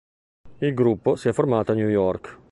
Il gruppo si è formato a New York.